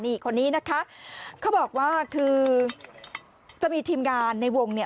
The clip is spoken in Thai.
นี่คนนี้นะคะเขาบอกว่าคือจะมีทีมงานในวงเนี่ย